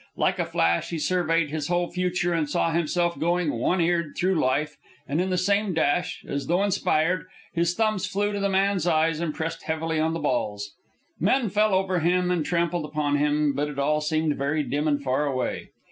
Like a flash, he surveyed his whole future and saw himself going one eared through life, and in the same dash, as though inspired, his thumbs flew to the man's eyes and pressed heavily on the balls. Men fell over him and trampled upon him, but it all seemed very dim and far away.